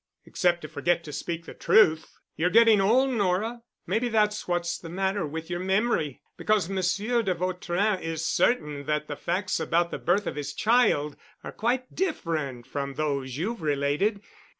"Except to forget to speak the truth. You're getting old, Nora. Maybe that's what's the matter with your memory. Because Monsieur de Vautrin is certain that the facts about the birth of his child are quite different from those you've related.